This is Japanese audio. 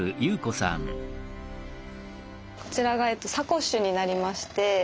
こちらがサコッシュになりまして。